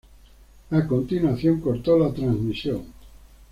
A continuación cortó la transmisión.